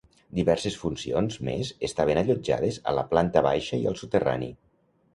Diverses funcions més estaven allotjades a la planta baixa i al soterrani.